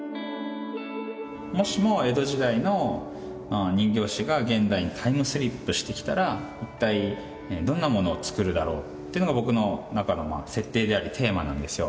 もしも江戸時代の人形師が現代にタイムスリップしてきたら一体どんなものを作るだろう？というのが僕の中の設定でありテーマなんですよ。